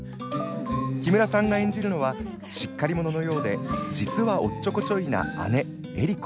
木村さんが演じるのはしっかり者のようで、実はおっちょこちょいな姉・エリコ。